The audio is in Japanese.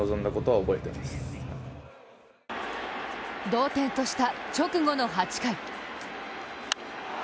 同点とした直後の８回。